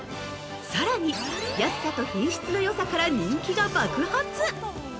さらに、安さと品質の良さから人気が爆発。